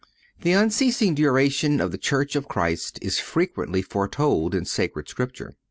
The unceasing duration of the Church of Christ is frequently foretold in Sacred Scripture.